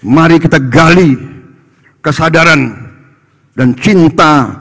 mari kita gali kesadaran dan cinta